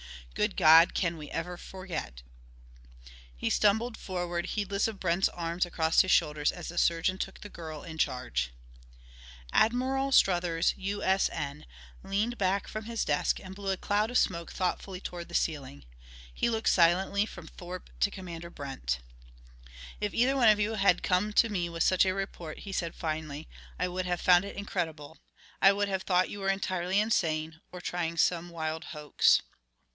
Good God, can we ever forget " He stumbled forward, heedless of Brent's arm across his shoulders as the surgeon took the girl in charge. Admiral Struthers, U.S.N., leaned back from his desk and blew a cloud of smoke thoughtfully toward the ceiling. He looked silently from Thorpe to Commander Brent. "If either one of you had come to me with such a report," he said finally, "I would have found it incredible; I would have thought you were entirely insane, or trying some wild hoax."